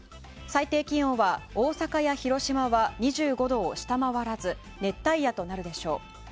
最低気温は大阪や広島は２５度を下回らず熱帯夜となるでしょう。